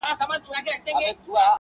او په ګلڅانګو کي له تاکه پیمانې وي وني -